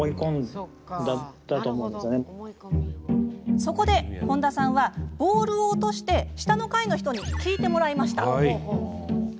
そこで本田さんはボールを落として下の階の人に聞いてもらいました。